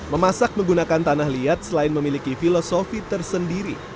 memasak menggunakan tanah liat selain memiliki filosofi tersendiri